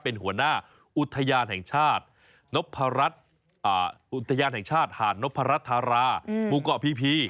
เป็นหัวหน้าอุทยานแห่งชาตินพรัชอุทยานแห่งชาติหาดนพรัชธาราหมู่เกาะพี